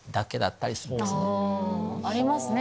ありますね